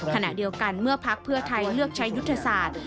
ขณะเดียวกันเมื่อพักเพื่อไทยเลือกใช้ยุทธศาสตร์